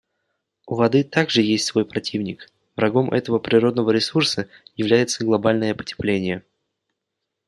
У воды также есть свой противник; врагом этого природного ресурса является глобальное потепление.